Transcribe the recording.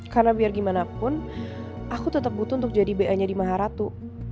karena biar gimana pun aku tetap butuh untuk jadi b a nya di maharatu